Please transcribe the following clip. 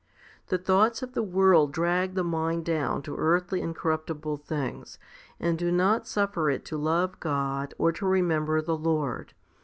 The thoughts of the world drag the mind down to earthly and corruptible things, and do not suffer it to love God or to remember the Lord.